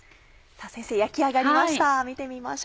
さぁ先生焼き上がりました